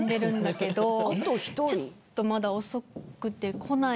ちょっとまだ遅くて来ない。